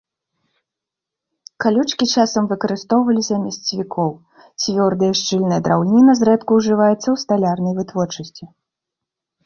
Калючкі часам выкарыстоўвалі замест цвікоў, цвёрдая і шчыльная драўніна зрэдку ўжываецца ў сталярнай вытворчасці.